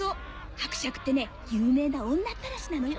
伯爵ってね有名な女たらしなのよ。